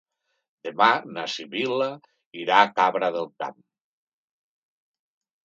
Demà na Sibil·la irà a Cabra del Camp.